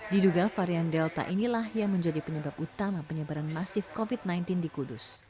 diduga varian delta inilah yang menjadi penyebab utama penyebaran masif covid sembilan belas di kudus